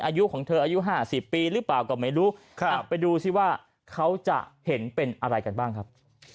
อายุของเธออายุ๕๐ปีหรือเปล่าก็ไม่รู้ไปดูซิว่าเขาจะเห็นเป็นอะไรกันบ้างครับ